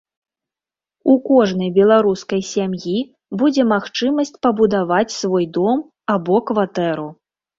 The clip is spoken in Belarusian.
У кожнай беларускай сям'і будзе магчымасць пабудаваць свой дом або кватэру.